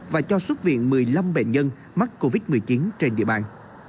và cho xuất viện một mươi năm bệnh nhân mắc covid một mươi chín trên địa bàn